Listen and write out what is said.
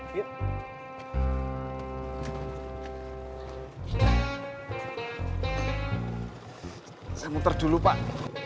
saya muter dulu pak